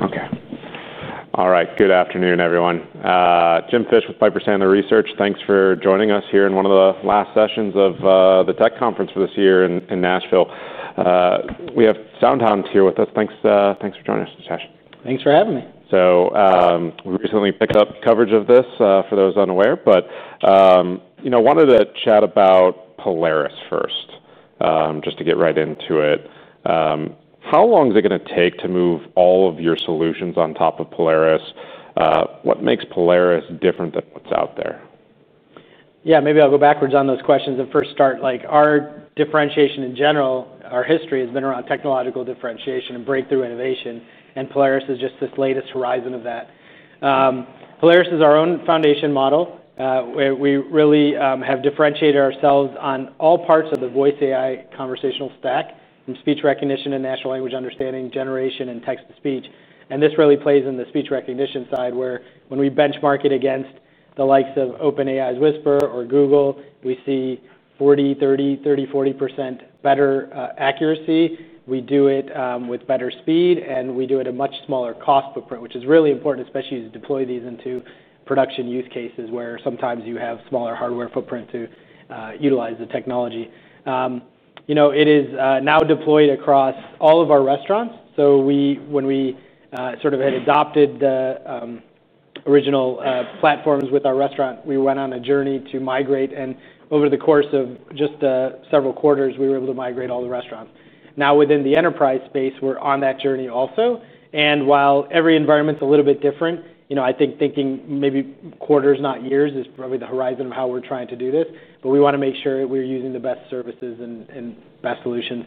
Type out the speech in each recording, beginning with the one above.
Okay. All right. Good afternoon, everyone. Jim Fish with Piper Sandler research. Thanks for joining us here in one of the last sessions of the Tech Conference for this year in Nashville. We have SoundHound here with us. Thanks for joining us, Nitesh. Thanks for having me. We recently picked up coverage of this, for those unaware, but I wanted to chat about Polaris first, just to get right into it. How long is it going to take to move all of your solutions on top of Polaris? What makes Polaris different than what's out there? Yeah, maybe I'll go backwards on those questions and first start, like, our differentiation in general, our history has been around technological differentiation and breakthrough innovation, and Polaris is just this latest horizon of that. Polaris is our own foundation model. We really have differentiated ourselves on all parts of the voice AI conversational stack, from speech recognition to natural language understanding, generation, and text-to-speech. This really plays in the speech recognition side where when we benchmark it against the likes of OpenAI's Whisper or Google, we see 40%, 30%, 30%, 40% better accuracy. We do it with better speed, and we do it at a much smaller cost footprint, which is really important, especially as you deploy these into production use cases where sometimes you have a smaller hardware footprint to utilize the technology. It is now deployed across all of our restaurants. When we adopted the original platforms with our restaurant, we went on a journey to migrate, and over the course of just several quarters, we were able to migrate all the restaurants. Now, within the enterprise space, we're on that journey also. While every environment's a little bit different, I think thinking maybe quarters, not years, is probably the horizon of how we're trying to do this. We want to make sure that we're using the best services and best solutions.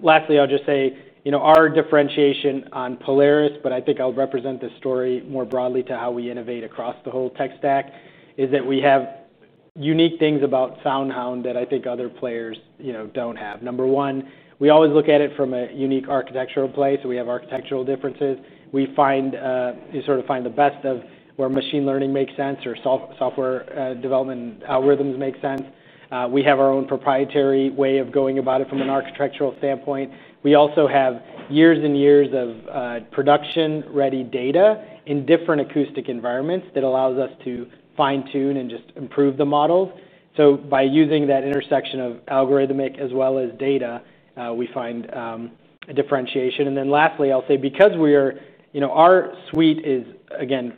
Lastly, I'll just say, our differentiation on Polaris, but I think I'll represent this story more broadly to how we innovate across the whole tech stack, is that we have unique things about SoundHound that I think other players don't have. Number one, we always look at it from a unique architectural place. We have architectural differences. You sort of find the best of where machine learning makes sense or software development algorithms make sense. We have our own proprietary way of going about it from an architectural standpoint. We also have years and years of production-ready data in different acoustic environments that allows us to fine-tune and just improve the models. By using that intersection of algorithmic as well as data, we find a differentiation. Lastly, I'll say because we are, you know, our suite is, again,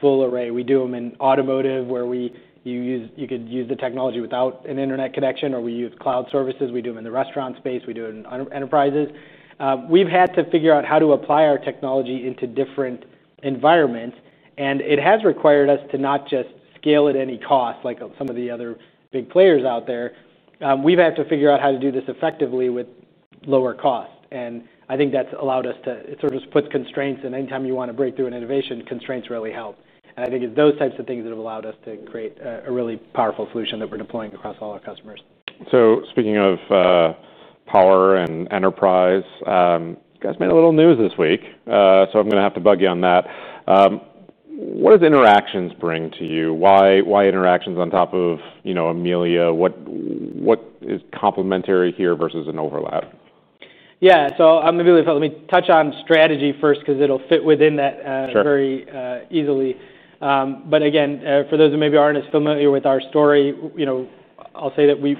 full array. We do them in automotive where you could use the technology without an internet connection, or we use cloud services. We do them in the restaurant space. We do it in enterprises. We've had to figure out how to apply our technology into different environments, and it has required us to not just scale at any cost like some of the other big players out there. We've had to figure out how to do this effectively with lower cost. I think that puts constraints, and anytime you want to break through an innovation, constraints really help. I think it's those types of things that have allowed us to create a really powerful solution that we're deploying across all our customers. Speaking of power and enterprise, you guys made a little news this week. I'm going to have to bug you on that. What does Interactions bring to you? Why Interactions on top of, you know, Amelia? What is complementary here versus an overlap? Yeah, so I'm Amelia. Let me touch on strategy first because it'll fit within that very easily. For those who maybe aren't as familiar with our story, I'll say that we,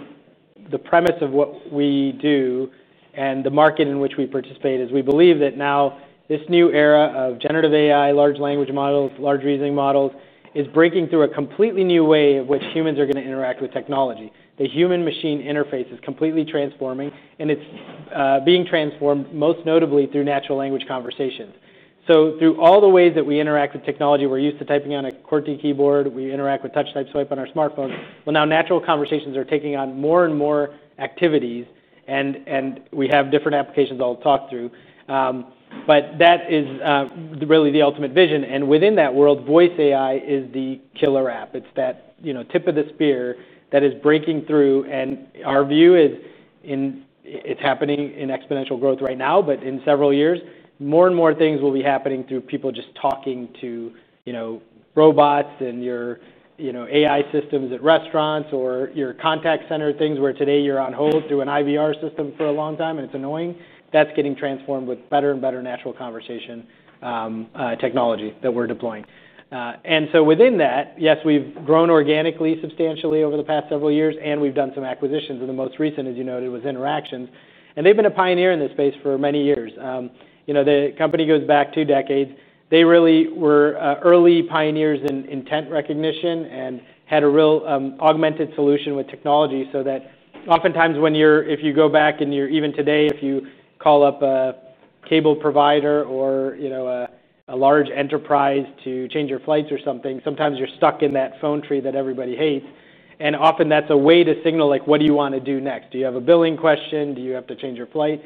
the premise of what we do and the market in which we participate is we believe that now this new era of generative AI, large language models, large reasoning models is breaking through a completely new way of which humans are going to interact with technology. The human-machine interface is completely transforming, and it's being transformed most notably through natural language conversations. Through all the ways that we interact with technology, we're used to typing on a QWERTY keyboard. We interact with touch-type swipe on our smartphones. Now natural conversations are taking on more and more activities, and we have different applications I'll talk through. That is really the ultimate vision. Within that world, voice AI is the killer app. It's that tip of the spear that is breaking through. Our view is in, it's happening in exponential growth right now, but in several years, more and more things will be happening through people just talking to robots and your AI systems at restaurants or your contact center, things where today you're on hold through an IVR system for a long time, and it's annoying. That's getting transformed with better and better natural conversation technology that we're deploying. Within that, yes, we've grown organically substantially over the past several years, and we've done some acquisitions, and the most recent, as you noted, was Interactions. They've been a pioneer in this space for many years. The company goes back two decades. They really were early pioneers in intent recognition and had a real augmented solution with technology so that oftentimes when you're, if you go back and you're even today, if you call up a cable provider or a large enterprise to change your flights or something, sometimes you're stuck in that phone tree that everybody hates. Often that's a way to signal, like, what do you want to do next? Do you have a billing question? Do you have to change your flight?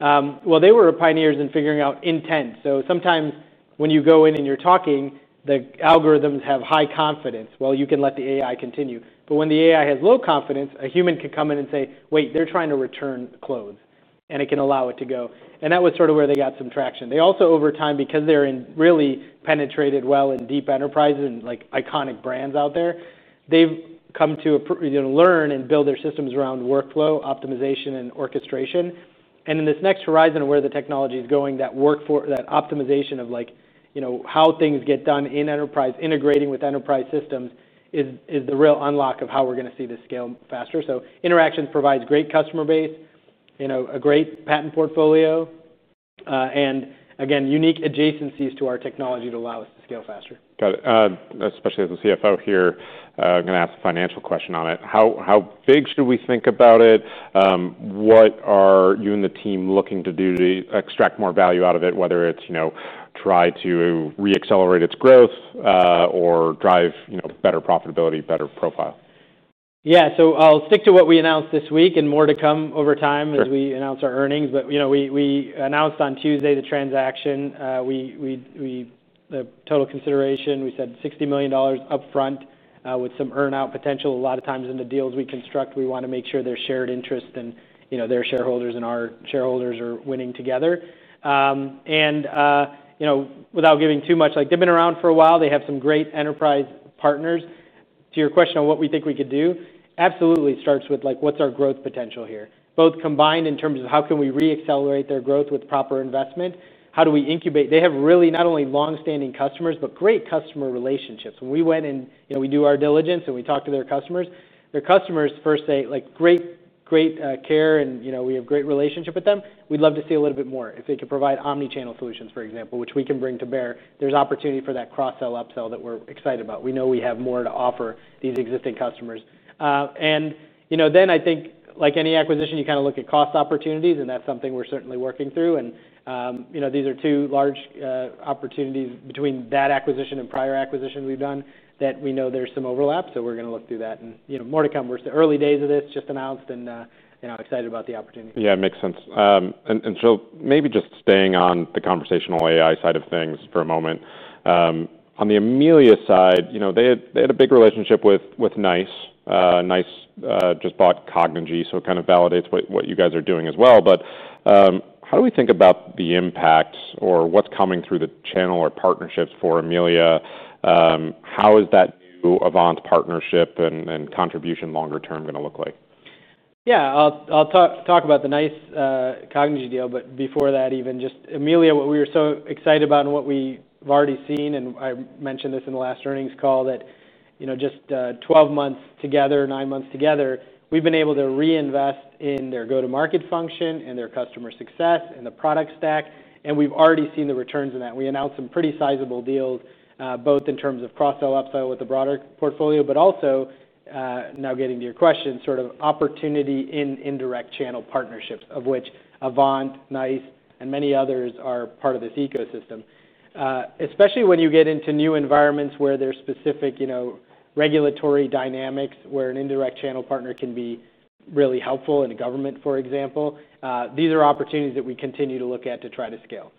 They were pioneers in figuring out intent. Sometimes when you go in and you're talking, the algorithms have high confidence. You can let the AI continue. When the AI has low confidence, a human could come in and say, wait, they're trying to return clothes, and it can allow it to go. That was sort of where they got some traction. They also, over time, because they're really penetrated well in deep enterprises and iconic brands out there, have come to learn and build their systems around workflow optimization and orchestration. In this next horizon of where the technology is going, that workflow, that optimization of how things get done in enterprise, integrating with enterprise systems, is the real unlock of how we're going to see this scale faster. Interactions provides great customer base, a great patent portfolio, and again, unique adjacencies to our technology to allow us to scale faster. Got it. Especially as a CFO here, I'm going to ask a financial question on it. How big should we think about it? What are you and the team looking to do to extract more value out of it, whether it's, you know, try to re-accelerate its growth or drive, you know, better profitability, better profile? Yeah, I'll stick to what we announced this week and more to come over time as we announce our earnings. We announced on Tuesday the transaction. The total consideration, we said $60 million upfront, with some earnout potential. A lot of times in the deals we construct, we want to make sure there's shared interest and their shareholders and our shareholders are winning together. Without giving too much, they've been around for a while. They have some great enterprise partners. To your question on what we think we could do, absolutely starts with what's our growth potential here, both combined in terms of how can we re-accelerate their growth with proper investment. How do we incubate? They have really not only longstanding customers, but great customer relationships. When we went in, we do our diligence and we talk to their customers. Their customers first say great care and we have a great relationship with them. We'd love to see a little bit more if they could provide omnichannel solutions, for example, which we can bring to bear. There's opportunity for that cross-sell upsell that we're excited about. We know we have more to offer these existing customers. I think like any acquisition, you kind of look at cost opportunities, and that's something we're certainly working through. These are two large opportunities between that acquisition and prior acquisitions we've done that we know there's some overlap. We're going to look through that and more to come. We're still early days of this, just announced, and I'm excited about the opportunity. Yeah, it makes sense. Maybe just staying on the conversational AI side of things for a moment. On the Amelia side, they had a big relationship with NiCE. NiCE just bought Cognigy, so it kind of validates what you guys are doing as well. How do we think about the impacts or what's coming through the channel or partnerships for Amelia? How is that new Avant partnership and contribution longer term going to look like? Yeah, I'll talk about the NiCE, Cognigy deal, but before that, even just Amelia, what we were so excited about and what we've already seen, and I mentioned this in the last earnings call, that, you know, just 12 months together, nine months together, we've been able to reinvest in their go-to-market function and their customer success and the product stack. We've already seen the returns in that. We announced some pretty sizable deals, both in terms of cross-sell upsell with the broader portfolio, but also, now getting to your question, sort of opportunity in indirect channel partnerships, of which Avant, NiCE, and many others are part of this ecosystem, especially when you get into new environments where there's specific, you know, regulatory dynamics where an indirect channel partner can be really helpful in a government, for example. These are opportunities that we continue to look at to try to scale.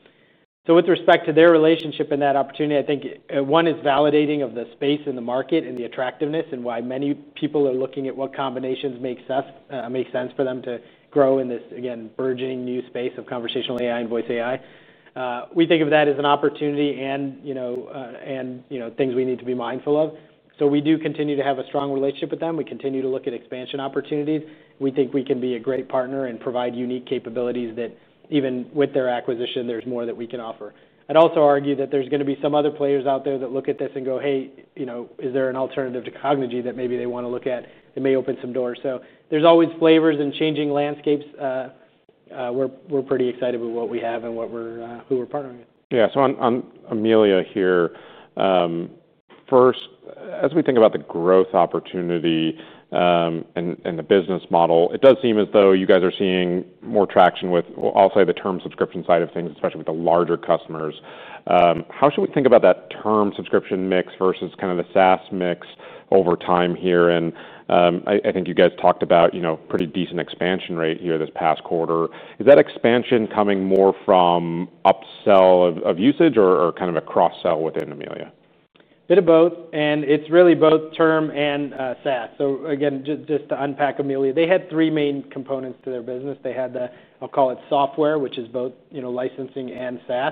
With respect to their relationship and that opportunity, I think one is validating of the space in the market and the attractiveness and why many people are looking at what combinations make sense for them to grow in this, again, burgeoning new space of conversational AI and voice AI. We think of that as an opportunity and, you know, things we need to be mindful of. We do continue to have a strong relationship with them. We continue to look at expansion opportunities. We think we can be a great partner and provide unique capabilities that even with their acquisition, there's more that we can offer. I'd also argue that there's going to be some other players out there that look at this and go, hey, you know, is there an alternative to Cognigy that maybe they want to look at? They may open some doors. There's always flavors and changing landscapes. We're pretty excited with what we have and what we're, who we're partnering with. Yeah, so on Amelia here, as we think about the growth opportunity and the business model, it does seem as though you guys are seeing more traction with, I'll say the term subscription side of things, especially with the larger customers. How should we think about that term subscription mix versus kind of the SaaS mix over time here? I think you guys talked about, you know, a pretty decent expansion rate here this past quarter. Is that expansion coming more from upsell of usage or kind of a cross-sell within Amelia? Bit of both. It's really both term and SaaS. Again, just to unpack Amelia, they had three main components to their business. They had the, I'll call it software, which is both, you know, licensing and SaaS.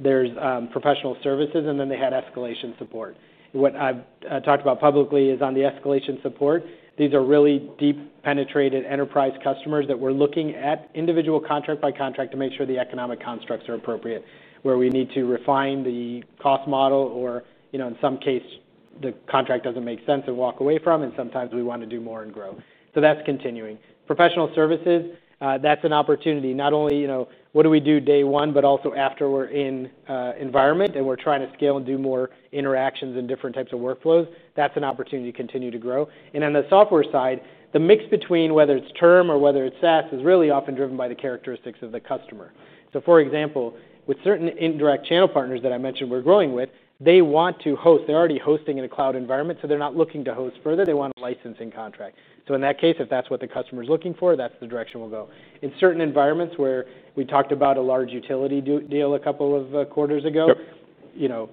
There's professional services, and then they had escalation support. What I've talked about publicly is on the escalation support. These are really deep penetrated enterprise customers that we're looking at individual contract by contract to make sure the economic constructs are appropriate, where we need to refine the cost model or, you know, in some case, the contract doesn't make sense and walk away from, and sometimes we want to do more and grow. That's continuing. Professional services, that's an opportunity. Not only, you know, what do we do day one, but also after we're in an environment and we're trying to scale and do more interactions and different types of workflows, that's an opportunity to continue to grow. On the software side, the mix between whether it's term or whether it's SaaS is really often driven by the characteristics of the customer. For example, with certain indirect channel partners that I mentioned we're growing with, they want to host. They're already hosting in a cloud environment, so they're not looking to host further. They want a licensing contract. In that case, if that's what the customer's looking for, that's the direction we'll go. In certain environments where we talked about a large utility deal a couple of quarters ago, you know,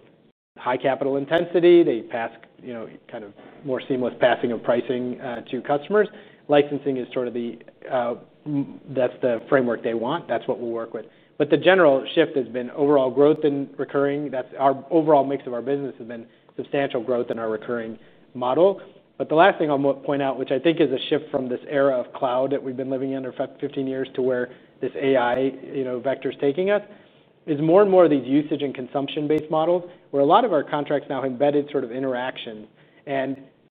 high capital intensity, they pass, you know, kind of more seamless passing of pricing to customers. Licensing is sort of the, that's the framework they want. That's what we'll work with. The general shift has been overall growth and recurring. Our overall mix of our business has been substantial growth in our recurring model. The last thing I'll point out, which I think is a shift from this era of cloud that we've been living in for 15 years to where this AI, you know, vector is taking us, is more and more of these usage and consumption-based models where a lot of our contracts now embedded sort of interactions.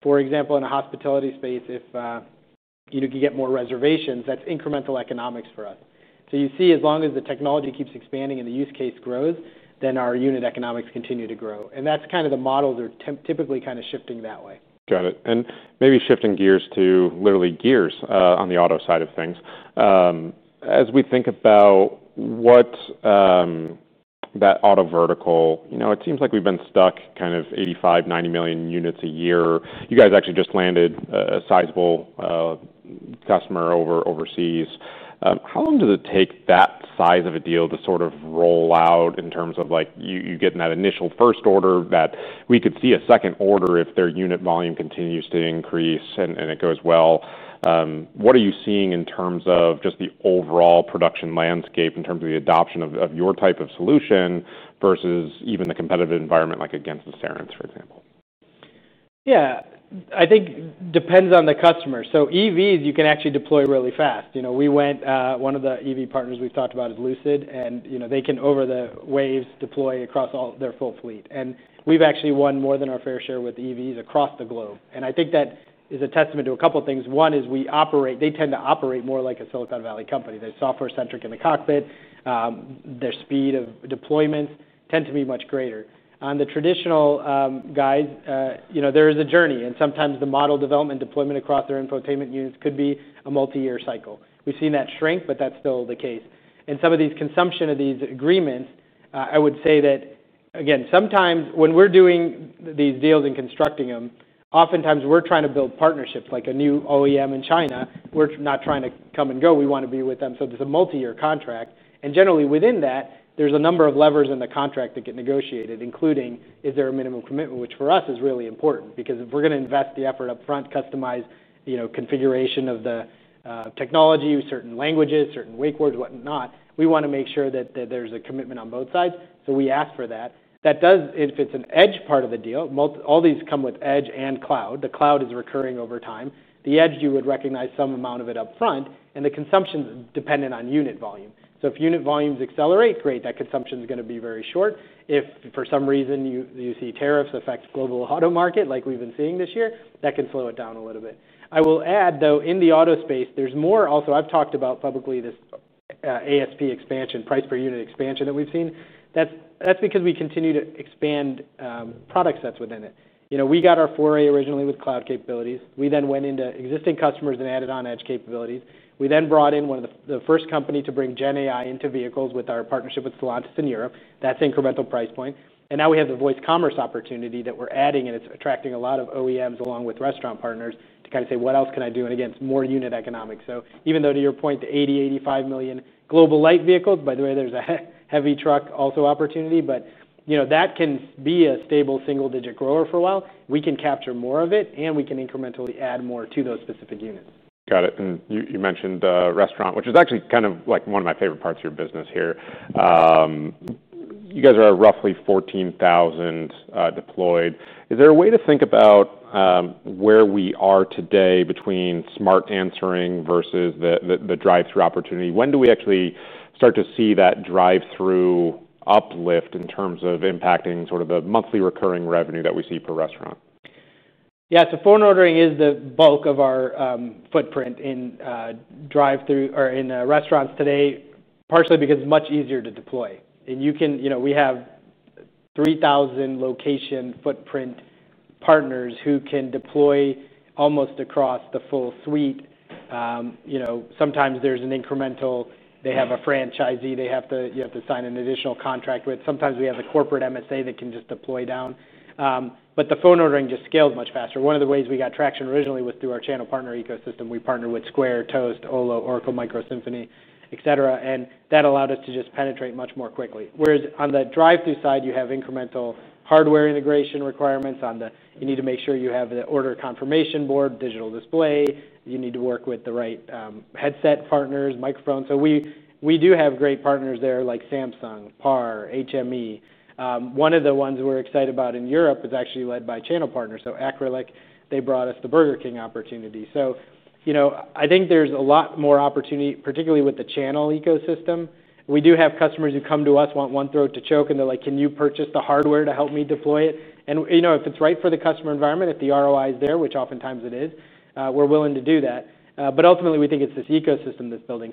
For example, in a hospitality space, if, you know, you get more reservations, that's incremental economics for us. You see, as long as the technology keeps expanding and the use case grows, then our unit economics continue to grow. That's kind of the models are typically kind of shifting that way. Got it. Maybe shifting gears to literally gears, on the auto side of things. As we think about what that auto vertical, you know, it seems like we've been stuck kind of 85, 90 million units a year. You guys actually just landed a sizable customer overseas. How long does it take that size of a deal to sort of roll out in terms of like you getting that initial first order that we could see a second order if their unit volume continues to increase and it goes well? What are you seeing in terms of just the overall production landscape in terms of the adoption of your type of solution versus even the competitive environment like against the Cerence, for example? Yeah, I think it depends on the customer. EVs, you can actually deploy really fast. We went, one of the EV partners we've talked about is Lucid, and they can, over the waves, deploy across all their full fleet. We've actually won more than our fair share with EVs across the globe. I think that is a testament to a couple of things. One is they tend to operate more like a Silicon Valley company. They're software-centric in the cockpit. Their speed of deployments tends to be much greater. On the traditional guys, there is a journey, and sometimes the model development deployment across their infotainment units could be a multi-year cycle. We've seen that shrink, but that's still the case. Some of these consumption of these agreements, I would say that, again, sometimes when we're doing these deals and constructing them, oftentimes we're trying to build partnerships like a new OEM in China. We're not trying to come and go. We want to be with them. There's a multi-year contract. Generally within that, there's a number of levers in the contract that get negotiated, including is there a minimum commitment, which for us is really important because if we're going to invest the effort upfront, customize configuration of the technology, certain languages, certain wake words, whatnot, we want to make sure that there's a commitment on both sides. We ask for that. That does, if it's an edge part of the deal, all these come with edge and cloud. The cloud is recurring over time. The edge, you would recognize some amount of it upfront, and the consumption is dependent on unit volume. If unit volumes accelerate, great, that consumption is going to be very short. If for some reason you see tariffs affect the global auto market, like we've been seeing this year, that can slow it down a little bit. I will add, though, in the auto space, there's more. Also, I've talked about publicly this ASP expansion, price per unit expansion that we've seen. That's because we continue to expand product sets within it. We got our foray originally with cloud capabilities. We then went into existing customers and added on edge capabilities. We then brought in one of the first companies to bring GenAI into vehicles with our partnership with Stellantis in Europe. That's incremental price point. We now have the voice commerce opportunity that we're adding, and it's attracting a lot of OEMs along with restaurant partners to kind of say, what else can I do? It is more unit economics. Even though, to your point, to 80 to 85 million global light vehicles—by the way, there's a heavy truck also opportunity—that can be a stable single-digit grower for a while. We can capture more of it, and we can incrementally add more to those specific units. Got it. You mentioned the restaurant, which is actually kind of like one of my favorite parts of your business here. You guys are roughly 14,000 deployed. Is there a way to think about where we are today between Smart Answering versus the drive-thru opportunity? When do we actually start to see that drive-thru uplift in terms of impacting sort of the monthly recurring revenue that we see per restaurant? Yeah, so phone ordering is the bulk of our footprint in drive-thru or in restaurants today, partially because it's much easier to deploy. You know, we have 3,000 location footprint partners who can deploy almost across the full suite. Sometimes there's an incremental, they have a franchisee they have to, you have to sign an additional contract with. Sometimes we have the corporate MSA that can just deploy down. The phone ordering just scaled much faster. One of the ways we got traction originally was through our channel partner ecosystem. We partnered with Square, Toast, Olo, Oracle MICROS Simphony, et cetera. That allowed us to just penetrate much more quickly. Whereas on the drive-thru side, you have incremental hardware integration requirements. You need to make sure you have the order confirmation board, digital display. You need to work with the right headset partners, microphones. We do have great partners there like Samsung, Par, HME. One of the ones we're excited about in Europe is actually led by channel partners. Acrelec brought us the Burger King opportunity. I think there's a lot more opportunity, particularly with the channel ecosystem. We do have customers who come to us, want one throat to choke, and they're like, can you purchase the hardware to help me deploy it? If it's right for the customer environment, if the ROI is there, which oftentimes it is, we're willing to do that. Ultimately, we think it's this ecosystem that's building.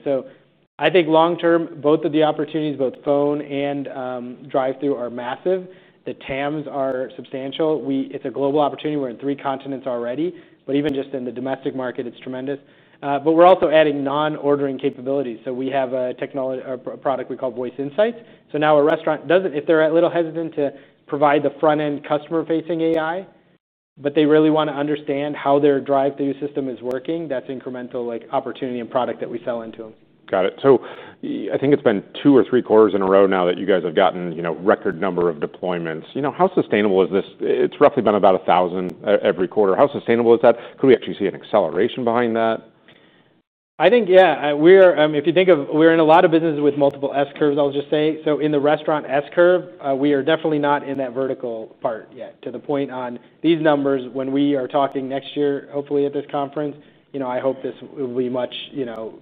I think long term, both of the opportunities, both phone and drive-thru, are massive. The TAMs are substantial. It's a global opportunity. We're in three continents already. Even just in the domestic market, it's tremendous. We're also adding non-ordering capabilities. We have a technology, a product we call Voice Insights. Now a restaurant doesn't, if they're a little hesitant to provide the front-end customer-facing AI, but they really want to understand how their drive-thru system is working, that's incremental opportunity and product that we sell into them. Got it. I think it's been two or three quarters in a row now that you guys have gotten record number of deployments. How sustainable is this? It's roughly been about 1,000 every quarter. How sustainable is that? Could we actually see an acceleration behind that? I think, yeah, we are, I mean, if you think of, we're in a lot of businesses with multiple S-curves, I'll just say. In the restaurant S-curve, we are definitely not in that vertical part yet. To the point on these numbers, when we are talking next year, hopefully at this conference, I hope this will be much, you know,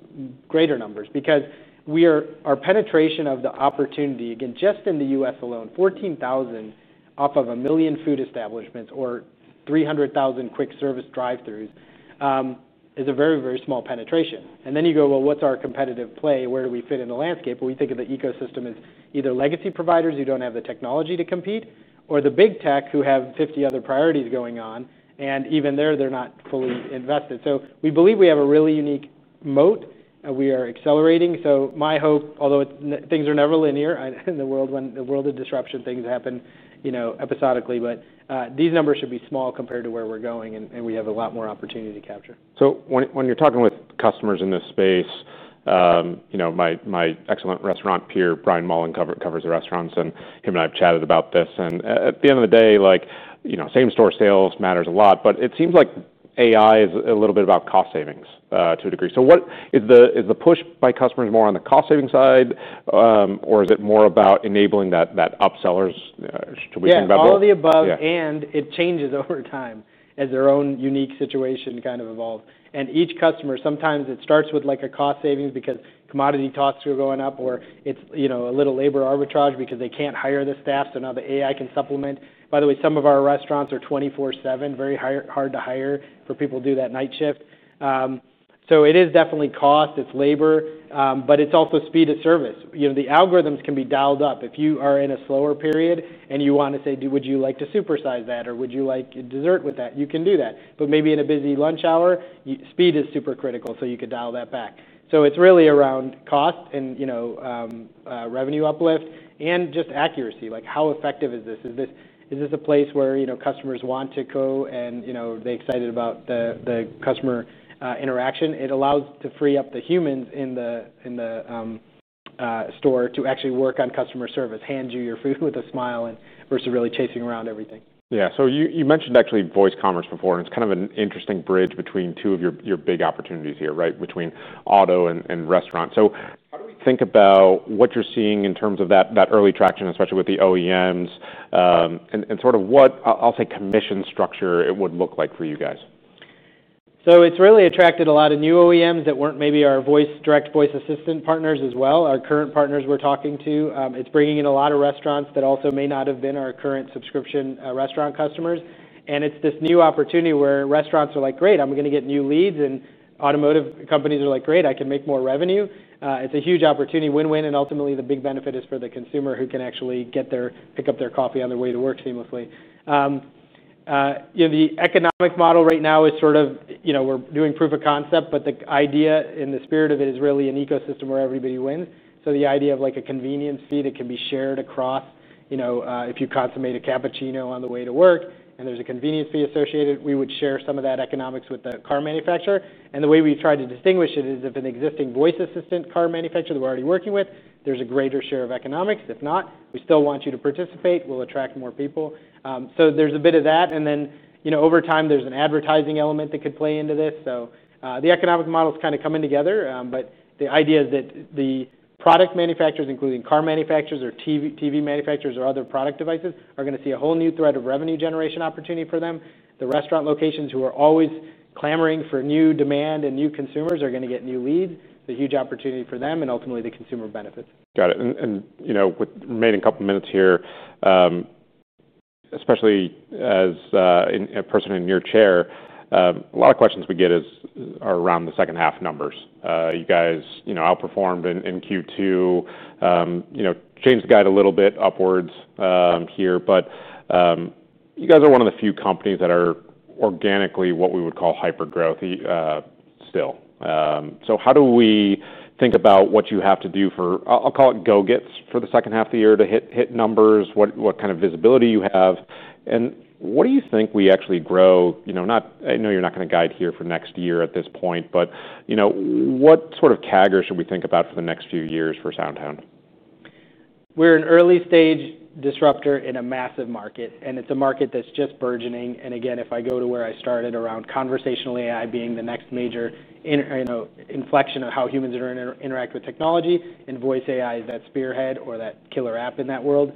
greater numbers because we are, our penetration of the opportunity, again, just in the U.S. alone, 14,000 off of a million food establishments or 300,000 quick service drive-throughs, is a very, very small penetration. You go, what's our competitive play? Where do we fit in the landscape? We think of the ecosystem as either legacy providers who don't have the technology to compete or the big tech who have 50 other priorities going on. Even there, they're not fully invested. We believe we have a really unique moat. We are accelerating. My hope, although things are never linear in the world, in the world of disruption, things happen episodically, but these numbers should be small compared to where we're going, and we have a lot more opportunity to capture. When you're talking with customers in this space, my excellent restaurant peer, Brian Mullan, covers the restaurants, and him and I have chatted about this. At the end of the day, same-store sales matters a lot, but it seems like AI is a little bit about cost savings, to a degree. What is the push by customers more on, the cost-saving side, or is it more about enabling that upsellers? Should we think about that? Yeah, all of the above, and it changes over time as their own unique situation kind of evolves. Each customer, sometimes it starts with like a cost savings because commodity costs are going up or it's, you know, a little labor arbitrage because they can't hire the staff. Now the AI can supplement. By the way, some of our restaurants are 24/7, very hard to hire for people to do that night shift. It is definitely cost. It's labor, but it's also speed of service. The algorithms can be dialed up. If you are in a slower period and you want to say, would you like to supersize that or would you like dessert with that? You can do that. Maybe in a busy lunch hour, speed is super critical. You could dial that back. It's really around cost and, you know, revenue uplift and just accuracy. Like how effective is this? Is this a place where, you know, customers want to go and, you know, they're excited about the customer interaction. It allows to free up the humans in the store to actually work on customer service, hand you your food with a smile versus really chasing around everything. Yeah, so you mentioned actually voice commerce before, and it's kind of an interesting bridge between two of your big opportunities here, right? Between auto and restaurant. Think about what you're seeing in terms of that early traction, especially with the OEMs, and sort of what I'll say commission structure it would look like for you guys. It's really attracted a lot of new OEMs that weren't maybe our direct voice assistant partners as well, our current partners we're talking to. It's bringing in a lot of restaurants that also may not have been our current subscription restaurant customers. It's this new opportunity where restaurants are like, great, I'm going to get new leads, and automotive companies are like, great, I can make more revenue. It's a huge opportunity, win-win, and ultimately the big benefit is for the consumer who can actually pick up their coffee on their way to work seamlessly. The economic model right now is sort of, we're doing proof of concept, but the idea in the spirit of it is really an ecosystem where everybody wins. The idea of a convenience fee that can be shared across, if you consummate a cappuccino on the way to work, and there's a convenience fee associated, we would share some of that economics with the car manufacturer. The way we try to distinguish it is if an existing voice assistant car manufacturer that we're already working with, there's a greater share of economics. If not, we still want you to participate. We'll attract more people. There's a bit of that. Over time, there's an advertising element that could play into this. The economic model is kind of coming together, but the idea is that the product manufacturers, including car manufacturers or TV manufacturers or other product devices, are going to see a whole new thread of revenue generation opportunity for them. The restaurant locations who are always clamoring for new demand and new consumers are going to get new leads. It's a huge opportunity for them and ultimately the consumer benefits. Got it. With remaining a couple of minutes here, especially as a person in your chair, a lot of questions we get are around the second half numbers. You guys outperformed in Q2, changed the guide a little bit upwards here, but you guys are one of the few companies that are organically what we would call hypergrowthy still. How do we think about what you have to do for, I'll call it go-gets for the second half of the year to hit numbers, what kind of visibility you have, and what do you think we actually grow? I know you're not going to guide here for next year at this point, but what sort of CAGR should we think about for the next few years for SoundHound? We're an early stage disruptor in a massive market, and it's a market that's just burgeoning. If I go to where I started around conversational AI being the next major inflection of how humans interact with technology and voice AI is that spearhead or that killer app in that world,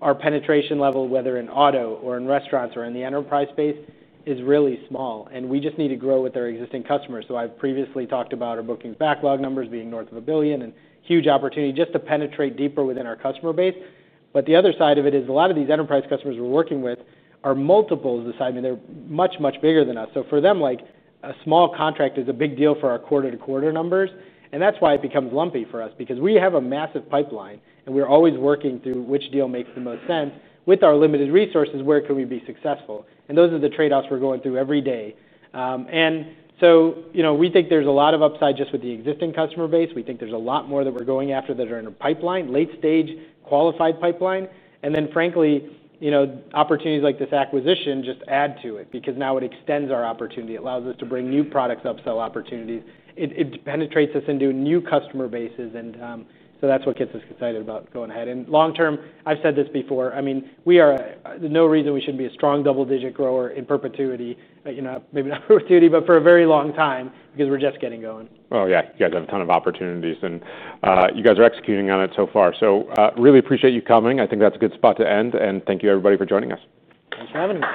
our penetration level, whether in auto or in restaurants or in the enterprise sector, is really small, and we just need to grow with our existing customers. I've previously talked about our bookings backlog numbers being north of $1 billion and huge opportunity just to penetrate deeper within our customer base. The other side of it is a lot of these enterprise customers we're working with are multiples of the size. I mean, they're much, much bigger than us. For them, like a small contract is a big deal for our quarter-to-quarter numbers. That's why it becomes lumpy for us because we have a massive pipeline, and we're always working through which deal makes the most sense with our limited resources. Where can we be successful? Those are the trade-offs we're going through every day. We think there's a lot of upside just with the existing customer base. We think there's a lot more that we're going after that are in a pipeline, late-stage qualified pipeline. Frankly, opportunities like this acquisition just add to it because now it extends our opportunity. It allows us to bring new products, upsell opportunities. It penetrates us into new customer bases. That's what gets us excited about going ahead. Long term, I've said this before. I mean, we are no reason we shouldn't be a strong double-digit grower in perpetuity, maybe not perpetuity, but for a very long time because we're just getting going. Yeah, you guys have a ton of opportunities, and you guys are executing on it so far. I really appreciate you coming. I think that's a good spot to end. Thank you everybody for joining us. Thanks for having me.